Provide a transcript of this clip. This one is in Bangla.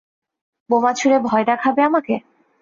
বোমা ছুড়ে ভয় দেখাবে আমাকে?